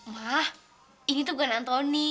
malah ini tuh bukan antoni